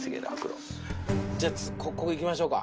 じゃここいきましょうか。